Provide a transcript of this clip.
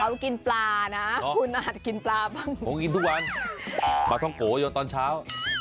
เขากินปลานะคุณอาจจะกินปลาบ้างผมกินทุกวันปลาท่องโกยนตอนเช้า